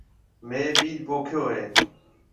ميه ٻِيج پوکيو هيَ۔